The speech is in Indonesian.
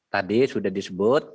tadi sudah disebut